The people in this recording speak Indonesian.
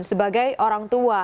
sebagai orang tua